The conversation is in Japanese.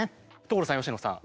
所さん佳乃さん。